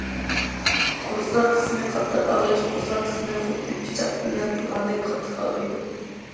قورساق قىسمى قاتتىق ئاغرىش: قورساق قىسمى خۇددى پىچاق بىلەن تىلغاندەك قاتتىق ئاغرىيدۇ.